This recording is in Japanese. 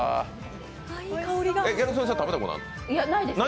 ギャル曽根さん食べたことあるの？